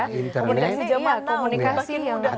komunikasi jemaah komunikasi yang mudah